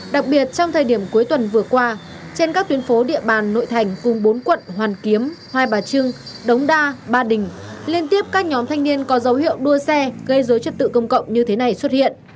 đặc biệt trong thời điểm cuối tuần vừa qua trên các tuyến phố địa bàn nội thành cùng bốn quận hoàn kiếm hai bà trưng đống đa ba đình liên tiếp các nhóm thanh niên có dấu hiệu đua xe gây dối trật tự công cộng như thế này xuất hiện